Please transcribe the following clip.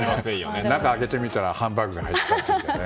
中を開けてみたらハンバーグが入ってるとかもね。